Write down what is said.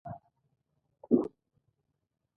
خو په ورته وخت کې ویجاړونکې هم ده.